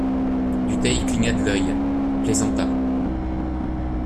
Dutheil cligna de l'œil, plaisanta.